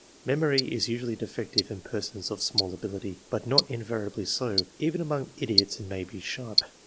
Memory is usually defective in persons of small ability, but not invariably so ; even among idiots it may be sharp.